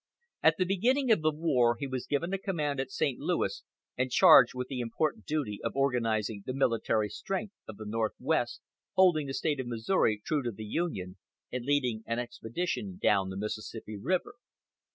At the beginning of the war he was given a command at St. Louis and charged with the important duty of organizing the military strength of the northwest, holding the State of Missouri true to the Union, and leading an expedition down the Mississippi River.